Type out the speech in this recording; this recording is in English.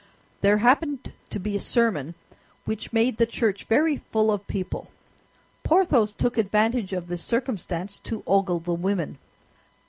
There happened to be a sermon, which made the church very full of people. Porthos took advantage of this circumstance to ogle the women.